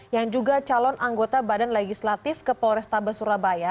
yang juga calon anggota badan legislatif ke polrestabes surabaya